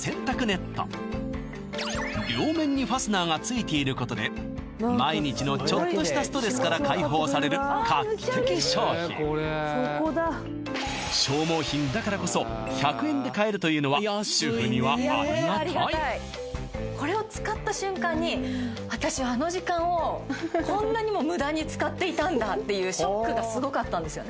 ついていることで毎日のちょっとしたストレスから解放される画期的商品消耗品だからこそ１００円で買えるというのは主婦にはありがたいこれを使った瞬間に私はあの時間をこんなにも無駄に使っていたんだっていうショックがすごかったんですよね